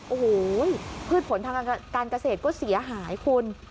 โอ้โหพืชผลทางการเกษตรก็เสียหายคุณ